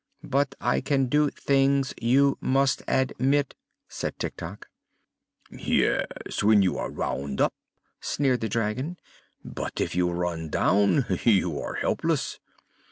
"But I can do things, you must ad mit," said Tik Tok. "Yes, when you are wound up," sneered the dragon. "But if you run down, you are helpless."